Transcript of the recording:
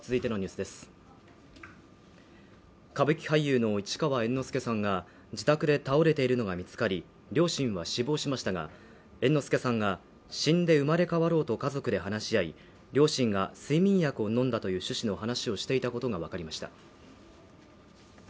歌舞伎俳優の市川猿之助さんが自宅で倒れているのが見つかり、両親は死亡しましたが、猿之助さんが、死んで生まれ変わろうと家族で話し合い、両親が睡眠薬を飲んだという趣旨の話をしていたことが分かりました。